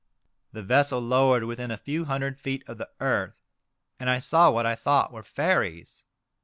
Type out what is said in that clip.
The vessel lowered within a few hundred feet of the earth, and I saw what I thought were fairies.